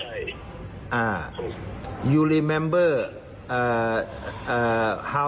คุณจ่ายโปรลิสเมื่อไหน